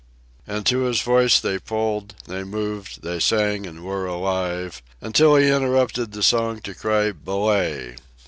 And to his voice they pulled, they moved, they sang, and were alive, until he interrupted the song to cry "Belay!"